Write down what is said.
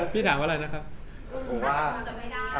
พี่ถามว่าไหนนะครับ